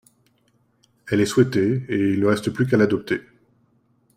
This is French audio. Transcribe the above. Elle est souhaitée et il ne reste plus qu’à l’adopter.